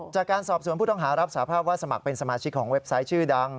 จากการสอบสวนผู้ต้องหารับสาภาพว่าสมัครเป็นสมาชิกของเว็บไซต์ชื่อดัง